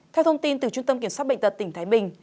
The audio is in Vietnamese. theo thông tin từ trung tâm kiểm soát bệnh tật tỉnh thái bình